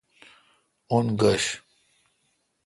اُن گش